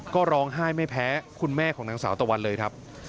ก็ร้องไห้ไม่แพ้คุณแม่ของนางสาวตะวันเลยครับ